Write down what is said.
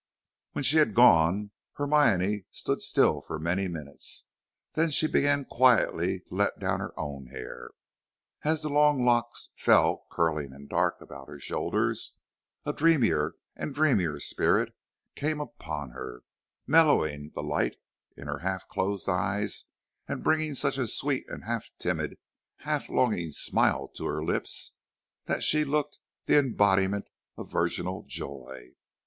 When she was gone, Hermione stood still for many minutes; then she began quietly to let down her own hair. As the long locks fell curling and dark about her shoulders, a dreamier and dreamier spirit came upon her, mellowing the light in her half closed eyes, and bringing such a sweet, half timid, half longing smile to her lips that she looked the embodiment of virginal joy.